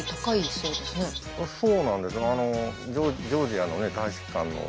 そうなんです。